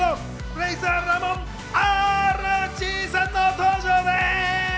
レイザーラモンＲＧさんの登場です！